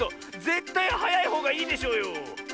ぜったいはやいほうがいいでしょうよ！